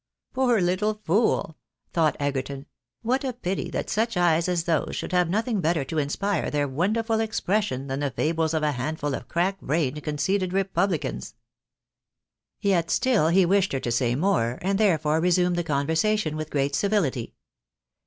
" Poor little fool !" thought Egerton. " What a pity that such eyes as those should have nothing better to inspire their wonderful expression than the fables of a handful of crackbrained, conceited republicans !" Yet still he wished her to say more, and therefore resumed the conversation with great civility.